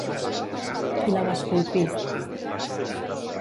Qui la va esculpir?